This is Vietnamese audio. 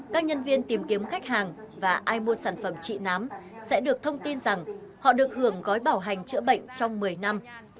các nhân viên tìm kiếm khách hàng và ai mua sản phẩm chị nám sẽ được thông tin rằng họ được hưởng gói bảo hành chữa bệnh trong một mươi năm